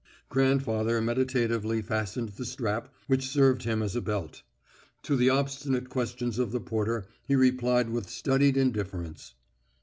Grandfather meditatively fastened the strap which served him as a belt. To the obstinate questions of the porter he replied with studied indifference.